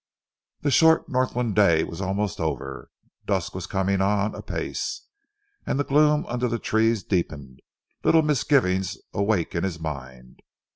The short Northland day was almost over. Dusk was coming on apace, and the gloom under the trees deepened, little misgivings awake in his mind.